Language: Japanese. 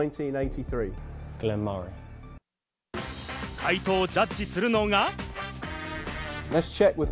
回答をジャッジするのが。